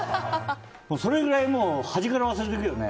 それぐらい端から忘れていくよね。